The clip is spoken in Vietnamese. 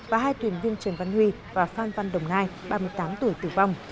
và hai thuyền viên trần văn huy và phan văn đồng nai ba mươi tám tuổi tử vong